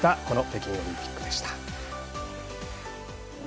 この北京オリンピックでした。